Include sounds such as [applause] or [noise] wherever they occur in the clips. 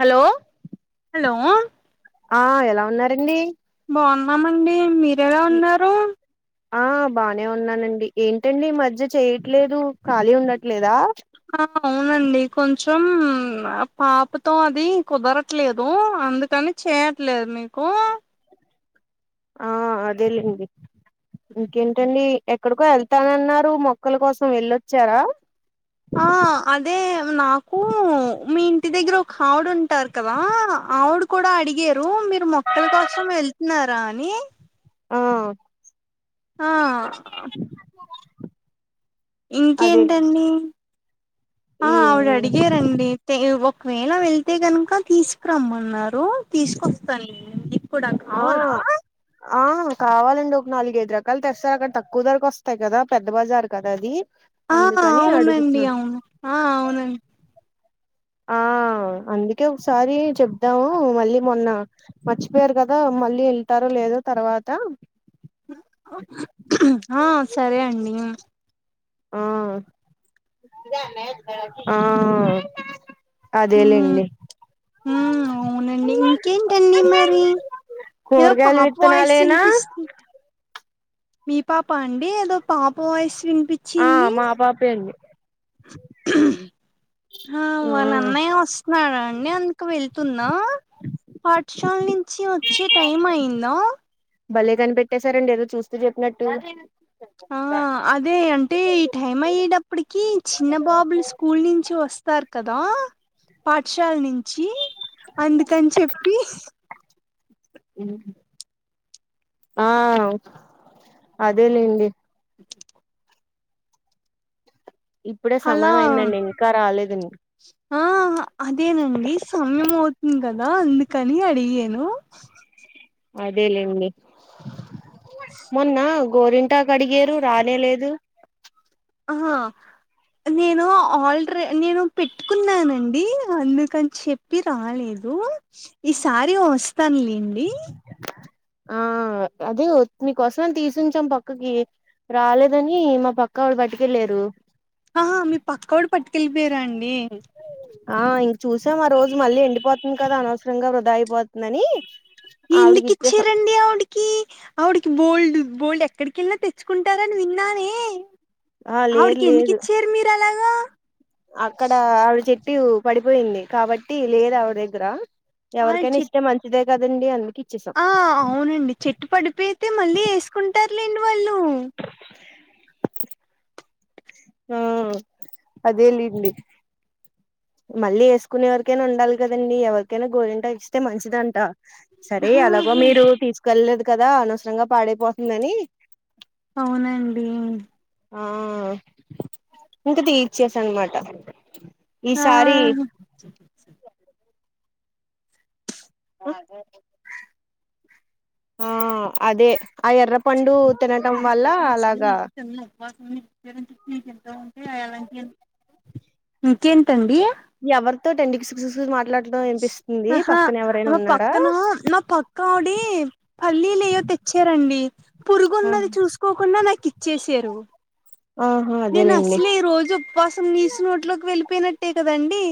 Hello hello ఆ ఎలా ఉన్నారండి బాగున్నామండి మీర ఎలా ఉన్నారు ఆ బాగానే ఉన్నానండి ఏంటండి మధ్య చేయట్లేదు ఖాళీ ఉండట్లేదా ఆ అవునండి కొంచం పాపతో అది కుదరట్లేదు అందుకని చేయట్లేదు మీకు ఆ అదేలేండి ఇంకేంటండి ఎక్కడికో ఎళ్తానన్నారు మొక్కల కోసం వెళ్ళొచ్చారా ఆ అదే నాకు మీ ఇంటి దగ్గర ఒక ఆవిడ ఉంటారు కదా ఆవిడా కూడా అడిగారు మీరు మొక్కల కోసం ఎళ్తున్నారా అని ఆ ఆ అదే ఇంకేంటండి ఆ ఈ ఆవిడ అడిగారండి తే ఒకవేళ వెళ్తే కనుక తీసుకురమ్మన్నారు తీసుకొస్తానులేండి కూడా ఆ కావాలా ఆ కావాలండి ఒక నాలుగు ఐదు రకాలు తెస్తారు అక్కడ తక్కువ ధరకి వస్తాయి కదా పెద్ద బజారు కదా అది ఆ అందుకని అవునండి అడుగుతున్నా అవును అవునం ఆ అందుకే ఒకసారి చెప్దాము మళ్ళీ మొన్న మర్చిపోయారు కదా మళ్ళీ ఎళ్తారో లేదో తర్వాత ఆ సరే అండి ఉమ్మ్ ఆ ఆ అదేలేండి ఉమ్మ్ అవునండి ఇంకేంటండి మరి ఏదొ కూరగాయల పాప వాయిస్ విత్తనాలేనా ఇనిపిస్తుం మీ పాప అండి ఏదో పాప వాయిస్ వినిపి ఆ మా పాపే అండి ఆ వాళ్ళ అన్నయ్య వస్తున్నాడాండి అందుకు వెళ్తుందా పాఠశాల నుంచి వచ్చే టైం అయిందా భలే కనిపెట్టేశారండి ఏదో చూస్తూ చెప్పినట్టు ఆ అదే అంటే ఈ టైం అయ్యేటప్పటికి చిన్న బాబులు స్కూల్ నుంచి వస్తారు కదా పాఠశాల నుంచి అందుకని చెప్పి ఉమ్మ్ ఆ అదేలేండి ఇప్పుడే అలా సమయం అయిందండి ఇంకా రాలేదండి ఆ అదేనండి సమయం అవుతుంది కదా అందుకని అడిగాను అదేలెండి మొన్న గోరింటాకు అడిగారు రానే లేదు ఆహా నేను ఆల్ర్ నేను పెట్టుకున్నానండి అందుకని చె ప్పి రాలేదు ఈసారి వస్తానులేండి ఆ అదే మీకోసం తీసుంచాం పక్కకి రాలేదని మా పక్క వాళ్ళు పట్టుకెళ్లారు ఆహా మీ పక్కోడు పట్టుకెళ్ళిపోయరాండి ఆ ఇంక చూసాం ఆరోజు మళ్ళీ ఎండిపోతుంది కదా అనవసరంగా వృధా అయిపోతుందని ఆవిడికి ఎందుకు ఇచ్చే ఇచ్చారండి ఆవిడి కి ఆవిడికి బోల్డ్ బోల్డ్ ఎక్కడికెళ్ళినా తెచ్చుకుంటారని విన్నానే ఆ లేదు ఆవిడికి ఎందుకు లేదు ఇచ్చారు మీరు అలాగా అక్కడ ఆవిడ చెట్టు పడిపోయింది కాబట్టి లేదు ఆవిడా దగ్గర ఆళ్ళు ఎవరికైనా చెట్ ఇస్తే మంచిదే కదండి అందుక ఆ అవునండి చెట్టు పడిపోయితే మళ్ళీ వేసుకుంటారులేండి వాళ్ళు ఆ అదెలెండి మళ్ళీ వేసుకునేవరికైనా ఉండాలి కదండి ఎవరికైనా గోరింటాకు ఇస్తే మంచిదంట సరే ఎలాగో ఆహా మీరు తీసుకెళ్లేదు కదా అనవసరంగా పాడైపోతుందని అవునండి ఆ ఇంకా తీచ్చేస అన్నమాట ఈసారి అచ్చ అచ్చ ఆ అదే ఆ ఎర్ర పండు తినటం వల్ల అలాగా ఇంకెంటండి ఎవరితో నండి కిస్ కిస్ మాట్లాడ ఆహా ఆ పక్కన నా పక్క అడి పల్లీలు ఏయో తెచ్చారండి ఆ పురుగున్నది చూసుకోకుండా నాకు ఇచ్చేసారు ఆహా నేను అదేలేండి అసలే ఈ రోజు ఉపవాసం నీసి నోట్లోకి వెళ్ళిపోయినట్టే కదండి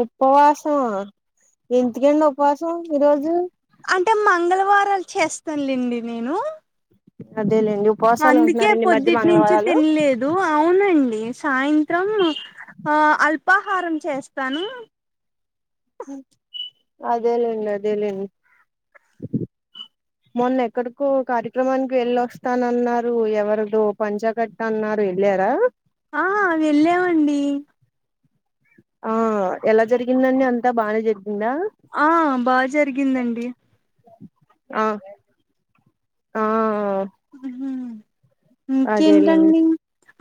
ఉపవాసమా ఎందుకండి ఉపవాసం ఈరోజు అంటే మంగళవారాలు చేస్తానులేండి నేను అదే లేండి అందుకే పొద్దుటి నుంచి తినలేదు అవునండి సాయంత్రం ఆ అల్పాహారం చేస్తాను అదేలేండి అదేలెండి మొన్న ఎక్కడికో కార్యక్రమానికి వెళ్ళొస్తానన్నారు ఎవరిదో పంచాగట్ అన్నారు వెళ్ళారా ఆ వెళ్ళావండి ఆ ఎలా జరిగిందండి అంతా బానే జరిగిందా ఆ బా జరిగిందండి ఆ ఆ ఉహు అదేలేండి ఇంకెంతండి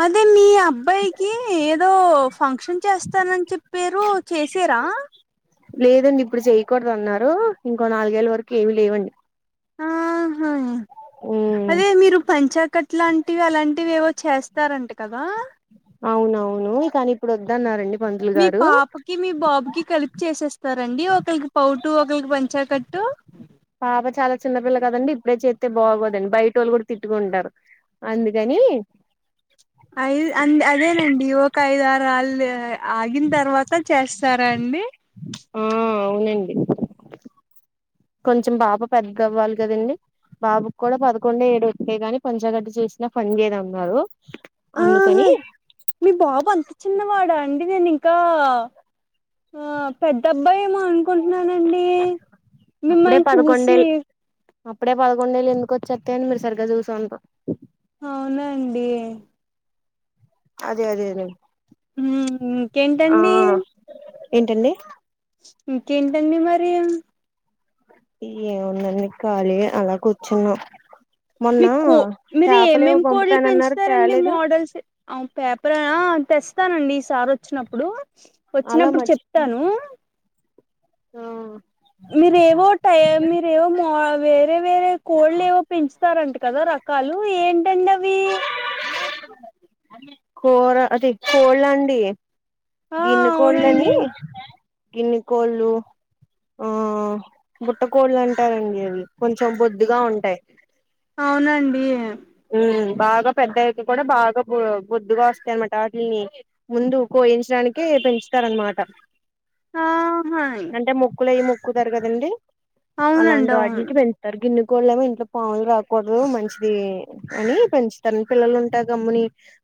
అదే మీఅబ్ అబ్బాయికి ఏదో ఫంక్షన్ చేస్తానని చెప్పారు చేసారా లేదండి ఇప్పుడు చేయకూడదు అన్నారు ఇంకో నాలుగేళ్ల వరకు ఏమి లేవండి ఆహా ఉమ్ అదే మీరు పంచాకట్ ఇట్లాంటివి అలాంటివి ఏవో చేస్తారంట కదా అవునవును కానీ ఇప్పుడు వద్దన్నారండి పంతులు మీ గారు పాప కి మీ బాబు కి కలిపి చేసేస్తారండి ఒకరికి పౌటు ఒకరికి పంచాకట్టు పాప చాలా చిన్నపిల్ల కదండి ఇప్పుడే చేతే బాగోదండి బయటోళ్ళు కూడా తిట్టుకుంటారు అందుకని ఐ ఆన్డ్ అదేనండి ఒక ఐదు ఆరళ్ళు ఆగిన తర్వాత చేస్త తారా అండి ఆ అవునండి కొంచెం బాబు పెద్ద అవ్వాలి కదండి బాబుకి కూడా పదకొండు ఏడు వస్తే గాని పంచగట్ చేసిన పనిచేయదు అన్నాడు ఆహా అందుకని మీ బాబు అంత చిన్నవాడా అండి నేను ఇంకా ఆ పెద్ద అబ్బాయి ఏమో అనుకుంటున్నానండి అప్పుడే మిమ్మల్ని చూసి పదకొండేళ్ళు అప్పుడే పదకుండేళ్లు ఎందుకు వచ్చేత్తాయండి మీరు సరిగ్గా చూసుండరు అవునా అండి అదే అదే రే ఊమ్ ఇంకేంటండి ఏంటండి ఇంకేంటండి మరి ఏముందండి ఖాళీయే అలా కూర్చున్నా మీ కో మీరు ఏమేమి కోడ్లు పంపుతానన్నారు పెంచుతారండి తేలేదు మోడల్సే ఔ పేపరా ఆ తెస్తానండి ఈ సారి వచ్చినప్పుడు అలా వచ్చినప్పుడు చెప్తాను ఊ మీరు ఏవో టై మీరేవో మావే వేరే వేరే కోడ్లు ఏవో పెంచుతారంట కదా రకాలు ఏంటండీ అవి కూర అది కోళ్ళండి ఆ గిన్నె అవునండి కోడ్లని గిన్నె కోళ్ళు ఆ బుట్టకోళ్లు అంటారండి అవి కొంచెం బొద్దుగా ఉంటాయి అవునండి ఊ బాగా పెద్దయ్యాక కూడా బాగా బు బుద్దుగా వస్తాయి అన్నమాట వాటిని ముందు కోయించడానికే పెంచుతారనమాట ఆహా అంటే మొక్కులుయ్యి మొక్కుతారు కదండి అవునండి అలాంటి అవును వాటికి పెం టారు గిన్నెకోళ్ళేమో ఇంట్లో పాములు రాకూడదు మంచిది అని పెంచుతారండి పిల్లలు ఉంటా గమ్ముని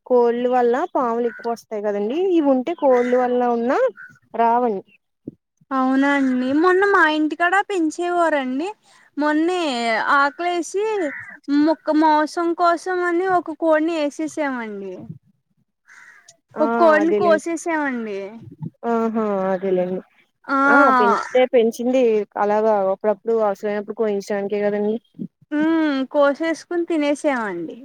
కోళ్ళు వల్ల పాములు ఎక్కువ వస్ తాయి కదండి ఇవి ఉంటే కోళ్ళు వల్ల ఉన్నా రావం అవునా అండి మొన్న మా ఇంటి కాడా పెంచేవారండి మొన్నే ఆకలేసి ముక్క మోవ్సం కోసం అని ఒక కోడిని ఏసేసామండి ఆ ఒక కోడిని అదేలే కోసేసామండి ఆహా అదలేండి ఆ పెంచితే పెంచింది అలాగా అప్పుడప్పుడు అవసరమైనప్పుడు కోయించడానికే కదండి ఊ కోసేసుకుని తినేసామండి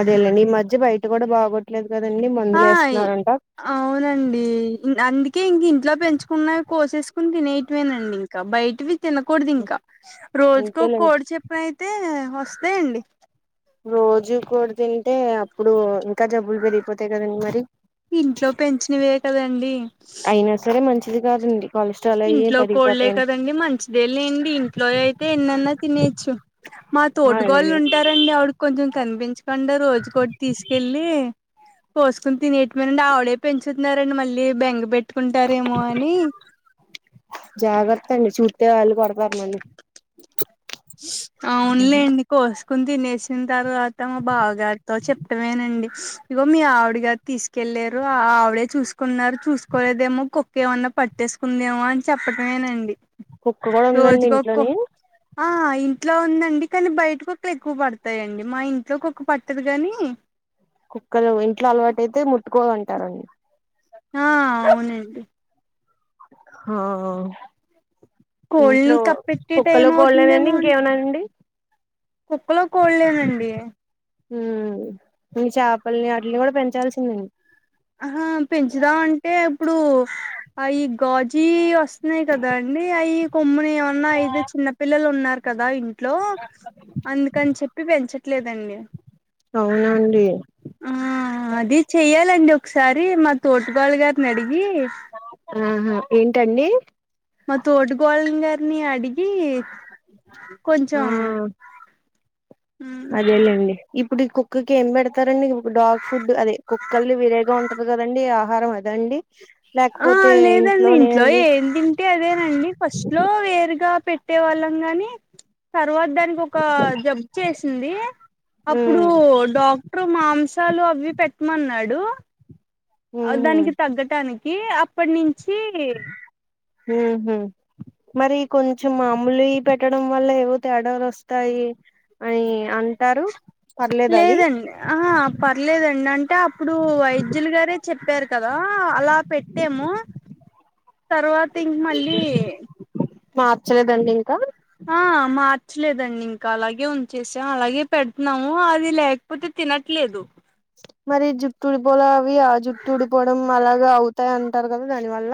అదేలేండి ఈ మధ్య బయట కూడా బాగోట్లేదు కదండి ఆ మందులేస్తున్నారంట అవునండి అందుకే ఇంక ఇంట్లో పెంచుకున్నవి కోసేసుకుని తినేటమేనండి ఇంకా బయటవి తినకూడదు ఇంకా రోజుకో అంతేలేండి కోడి చెప్పినయితే వస్తాయండి రోజూ కోడి తింటే అప్పుడు ఇంకా జబ్బులు పెరిగిపోతాయి కదండి మరి ఇంట్లో పెంచినవే కదండి అయినా సరే మంచిది కాదండి కొలెస్ట్రాల్ అయి ఇంట్లో కోళ్లే పెరిగిపోతాయని కదండి మంచిదే లెండి ఇంట్లోయి అయితే ఎన్నన్నా తినేయచ్చు మా తోటుగోళ్ళు అదేలే ఉంటారండి ఆవిడకి కొంచెం కనిపించకుండా రోజు కోటి తీసుకెళ్ళి కోసుకోని తినేటమేనండి ఆవిడే పెంచుతున్నారండి మళ్ళీ బెంగ పెట్టుకుంటారేమో అని జాగ్రత్త అండి చూత్తే వాళ్ళు కొడతారు నిన్ను అవునులేండి కోసుకోని తినేసిన తర్వాత మా బావ గారితో చెప్టమేనండి ఇగో మీ ఆవిడ గా తీసుకెళ్ళేరు ఆవిడే చూసుకున్నారు చూసుకోలేదేమో కుక్క ఏమన్నా పట్టేసు కుందేమో అని చెప్పటమేనండి కుక్క కూడా ఉందండి రోజుకో కు ఇంట్లోని ఆ ఇంట్లో ఉందండి కానీ బయట కుక్కలే ఎక్కువ పడతాయండి మా ఇంట్లోకుక్క పట్టదు కానీ కుక్కలు ఇంట్లో అలవాటు అయితే ముట్టుకోవంటారండి ఆ అవునండి ఆహా ఇంట్లో కోళ్ళని కప్పెట్టే టైం కుక్కలో కోళ్లేనండి ఇంకేమనాండి కుక్కల్లు కోళ్లేనండి ఉ చపల్ని అట్లా కూడా పెంచాల్సిందండి ఆహ పెంచుదాం అంటే ఇప్పుడు ఆ ఈ గాజీ వస్త ఉన్నాయి కదా అండి అయి కొమ్మ ఏమన్నా ఐతే చిన్న పిల్లలు ఉన్నారు కదా ఇంట్లో అందుకని చెప్పి పెంచ లేదండి అవునండి ఆ అది చెయ్యాలండి ఒకసారి మా తోటికోడలి గారిని అడిగి ఆహా ఏంటండి మా తోటికోడలి గారిని అడిగి కొంచెం అదేలెండి ఇప్పుడు ఈ కుక్కకి ఏం పెడతారండి డాగ్ ఫుడ్ అదే కుక్కల్ని వేరగ ఉంటది కదండి ఆహారం అదండీ ఆ లేదండి ఇంట్లో అండి ఏం తిం టే అదేనండి ఫస్ట్ లో వేరుగా పెట్టే వాళ్ళం గాని తర్వాత దానికి ఒక జబ్ చేసింది అప్పుడు ఉమ్ డాక్టరు మాంసాలు అవి పెట్టమన్నాడు, ఉహు దానికి తగ్గటానికి అప్పటి నుంచి ఉహు మరి కొంచెం మామూలి పెట్టడం వల్ల ఏవో తేడాలు వస్తాయి. అని అంటారు, పర్లేదా అది లేదండి ఆహా పర్లేదండి అంటే అప్పుడు వైద్యులు గారే చెప్పారు కదా అలా పెట్టేము, తర్వాత ఇంక మళ్ళీ మార్చలేదండి ఇంకా ఆ మార్చలేదండి ఇంకా అలాగే ఉంచేసాం అలాగే పెడుతున్నాము అది లే లేకపోతే తినట్లేదు మరి జుట్టు ఉడిపోలా అవి ఆ జుట్టు ఉడిపోవడం అలాగ అవుతాయి అంటారు, కదా దాని వల్ల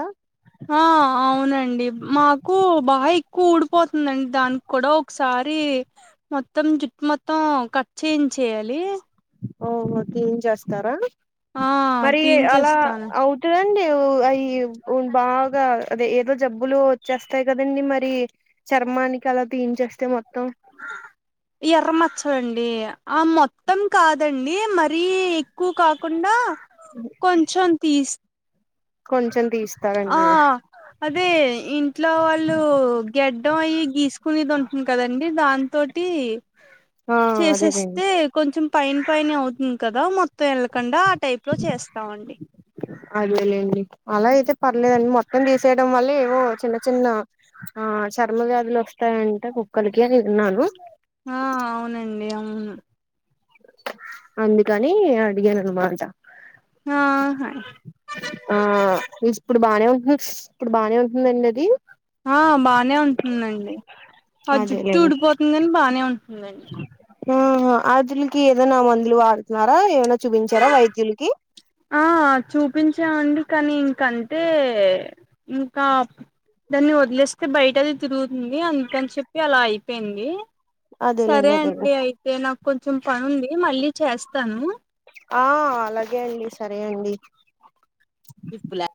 ఆ అ అవునండి మాకు బాగా ఎక్కువ ఊడిపోతుందండి దానికి కూడా ఒకసారి మొత్తం జుట్టు మొత్తం కట్ చెంచేయాలి, ఓహో క్లీన్ చేస్తారా ఆ మరి అలా తీయించేస్తాను అవ్ కాదండి అవి బాగా అదే ఏదో జబ్బులు వచ్చేస్తాయి కదండి మరి చర్మానికి అలా తీయించేస్తే మొత్తం [unintelligible] ఎర్ర మచ్చ అండి ఆ మొత్తం కాదండి మరీ ఎక్కువ కాకుండా కొంచెం తీస్ కొంచెం ఆ తీస్తారండి అదే ఇంట్లో వాళ్ళు గడ్డం అయి గీసుకునేది ఉంటది కదండి దాన్ తోటి ఆ అదేలేండి చేసేస్తే కొంచెం పైన పైనే అవుతుంది కదా మొత్తం ఎళ్ళకుండా ఆ టైప్ ప్రొ చేస్తామండి అదేలేండి అలా అయితే పర్లేదండి మొత్తం తీసేయడం వల్ల ఏమో చిన్న చిన్న ఆ చర్మవ్యాధులు వస్తాయంట కుక్కలకి అని విన్నాను ఆ అవునండి అవును అందుకనీ అడిగానన్మాట ఆ హై ఆ విస్పుడు బానే ఉంటుంది ష్ ఇప్పుడు బానే ఉంటుంది లేండి అది ఆ బానే ఉంటుందండి ఆ జుట్టు అదేలేండి ఉడిపోతుంది కాని బానే ఉంటుందండి ఆహా ఆద్యుల్కి ఏదైనా మందులు వాడుతున్నారా ఏవన్న చూపించారా వైద్యుల్కి ఆ చూపించామండి కానీ ఇంకంతే ఇంకా దాన్ని వదిలేస్తే బయటనె తిరుగుతుంది అందుకని చెప్పి అలా అయిపేంది సరే అదేలేండి అదేండి అండి అయితే నాకు కొంచెం పని ఉంది మళ్ళీ చేస్తను ఆ అలాగే అండి సరే అండి ఇప్పులా